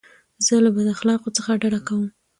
زه له بد اخلاقو څخه ډډه کوم.